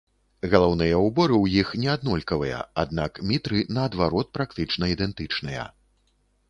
Галаўныя ўборы ў іх не аднолькавыя, аднак мітры наадварот практычна ідэнтычныя.